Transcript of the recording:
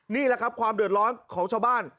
นี่แหละครับความเดือดร้อนของชาวบ้าน